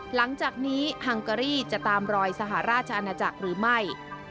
หลังจากนี้ฮังการีจะตามรอยสหราชอาณาจักรหรือไม่